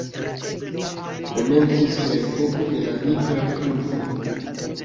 Komencis la epoko de la nigra pulvo.